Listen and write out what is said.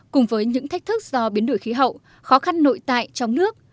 cùng với những thách thức do biến đổi khí hậu khó khăn nội tại trong nước